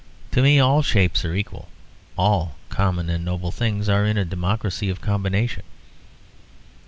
To me all shapes are equal, all common and noble things are in a democracy of combination.